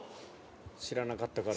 知らなかったから。